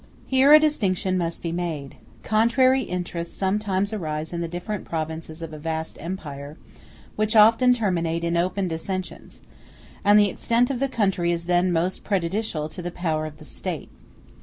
Here a distinction must be made; contrary interests sometimes arise in the different provinces of a vast empire, which often terminate in open dissensions; and the extent of the country is then most prejudicial to the power of the State.